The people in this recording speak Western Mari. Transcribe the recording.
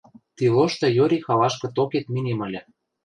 Тилошты йори халашкы токет минем ыльы...